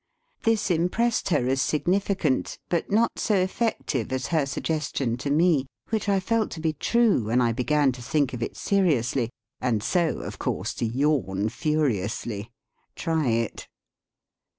This impressed her as sig nificant, but not so effective as her suggestion to me, which I felt to be true when I began to think of it seriously, and so, of course, to yawn furiously. Try it.